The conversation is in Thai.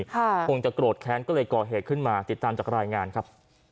คงจะโกรธแค้นก็เลยก่อเหตุขึ้นมาติดตามจากรายงานครับ